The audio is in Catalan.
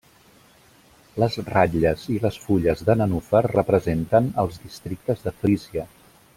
Les ratlles i les fulles de nenúfar representen els districtes de Frísia.